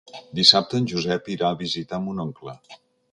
Dissabte en Josep irà a visitar mon oncle.